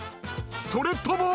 ［それとも］